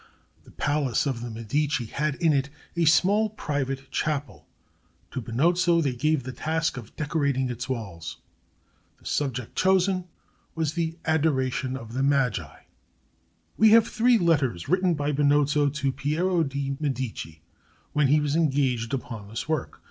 The palace of the Medici had in it a small private chapel; to Benozzo they gave the task of decorating its walls. The subject chosen was "The Adoration of the Magi." We have three letters written by Benozzo to Piero de' Medici when he was engaged upon this work.